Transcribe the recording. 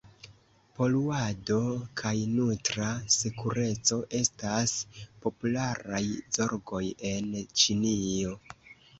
Poluado kaj nutra sekureco estas popularaj zorgoj en Ĉinio.